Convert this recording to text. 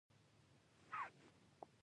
د پوهانو په مټ د خپل ملت لپاره.